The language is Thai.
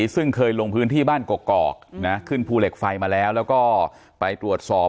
ซึ่งเคยลงพื้นที่บ้านกอกขึ้นภูเหล็กไฟมาแล้วแล้วก็ไปตรวจสอบ